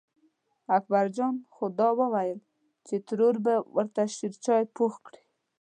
اکبر جان خو دا وېل چې ترور به یې ورته شېرچای پوخ کړي.